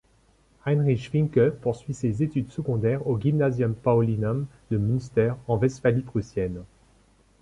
Heinrich Finke poursuit ses études secondaires au Gymnasium Paulinum de Münster en Westphalie prussienne.